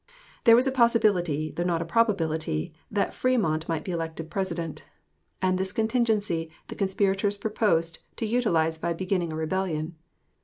There was a possibility, though not a probability, that Frémont might be elected President; and this contingency the conspirators proposed to utilize by beginning a rebellion.